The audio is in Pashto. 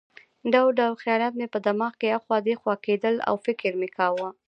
ډول ډول خیالات مې په دماغ کې اخوا دېخوا کېدل او فکر مې کاوه.